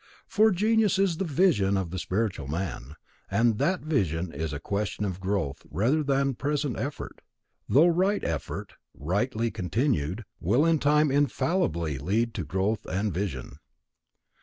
For genius is the vision of the spiritual man, and that vision is a question of growth rather than present effort; though right effort, rightly continued, will in time infallibly lead to growth and vision.